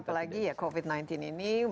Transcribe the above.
apalagi ya covid sembilan belas ini